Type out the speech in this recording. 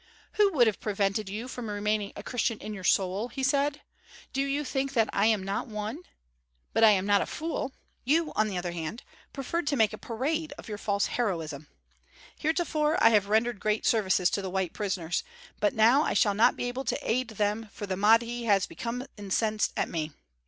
"Who would have prevented you from remaining a Christian in your soul?" he said. "Do you think that I am not one? But I am not a fool. You on the other hand preferred to make a parade of your false heroism. Heretofore I have rendered great services to the white prisoners, but now I shall not be able to aid them for the Mahdi has become incensed at me.